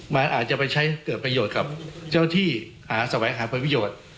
มันอาจจะไปใช้เกิดประโยชน์กับเจ้าที่หาแสวงหาผลประโยชน์